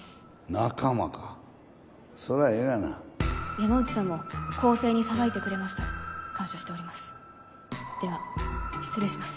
仲間かそらええがな山内さんも公正に裁いてくれました感謝しておりますでは失礼します